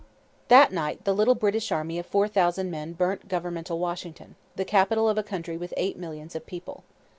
That night the little British army of four thousand men burnt governmental Washington, the capital of a country with eight millions of people.